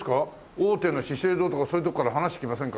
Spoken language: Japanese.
大手の資生堂とかそういうとこから話きませんか？